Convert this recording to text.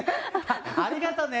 ありがとうね。